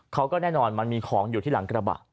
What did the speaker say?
เขาก็แน่นอนมันมีของอยู่ที่หลังกระบะ